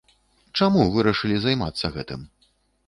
Чаму вырашылі займацца гэтым?